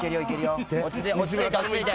・落ち着いて。